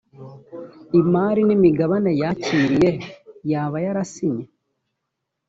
imari n imigabane yakiriye yaba yarasinye